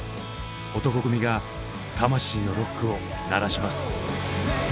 男闘呼組が魂のロックを鳴らします。